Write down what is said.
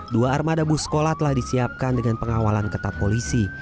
dua armada bus sekolah telah disiapkan dengan pengawalan ketat polisi